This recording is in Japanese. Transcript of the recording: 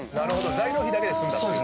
材料費だけで済んだと。